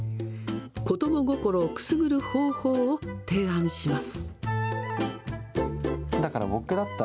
子ども心をくすぐる方法を提案します。